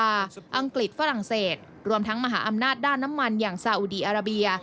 อังกฤษฝรั่งเศสรวมทั้งมหาอำนาจด้านน้ำมันอย่างซาอุดีอาราเบีย